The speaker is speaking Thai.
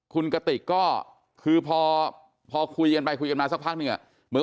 คุณกระติกก็คือพอพอคุยกันไปคุยกันมาสักพักเนี่ยเหมือน